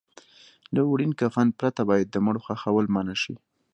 له وړین کفن پرته باید د مړو خښول منع شي.